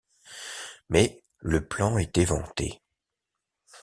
Mais, le plan est éventé.